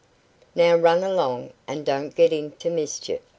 "Now run along, and don't get into mischief.